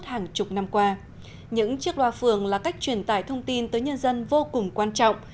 hàng chục năm qua những chiếc loa phường là cách truyền tải thông tin tới nhân dân vô cùng quan trọng